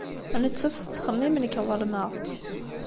Nettat tettxemmim nekk ḍelmeɣ-tt.